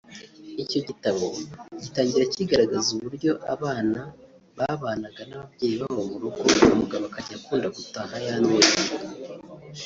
Icyo gitabo gitangira kigaragaza uburyo abana babanaga n’ababyeyi babo mu rugo umugabo akajya akunda gutaha yanyweye